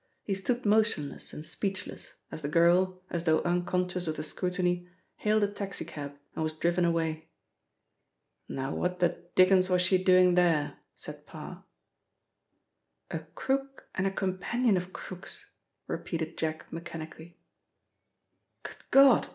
He stood motionless and speechless, as the girl, as though unconscious of the scrutiny, hailed a taxi cab and was driven away. "Now what the dickens was she doing there?" said Parr. "A crook and a companion of crooks," repeated Jack mechanically. "Good God!